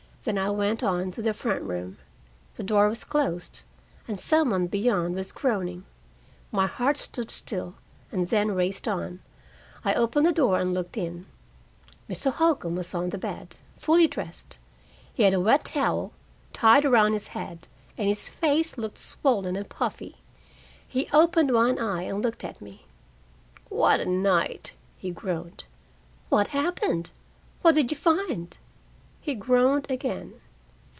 Then I went on to the front room. The door was closed, and some one beyond was groaning. My heart stood still, and then raced on. I opened the door and looked in. Mr. Holcombe was on the bed, fully dressed. He had a wet towel tied around his head, and his face looked swollen and puffy. He opened one eye and looked at me. "What a night!" he groaned. "What happened! What did you find?" He groaned again.